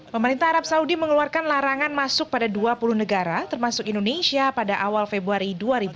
pemerintah arab saudi mengeluarkan larangan masuk pada dua puluh negara termasuk indonesia pada awal februari dua ribu dua puluh